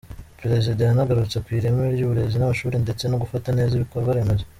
Perezida yanagarutse ku ireme ry’uburezi n’amashuri ndetse no gufata neza ibikorwaremezo.